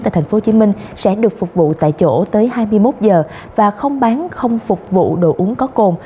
tại tp hcm sẽ được phục vụ tại chỗ tới hai mươi một giờ và không bán không phục vụ đồ uống có cồn